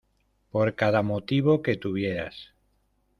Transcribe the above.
por cada motivo que tuvieras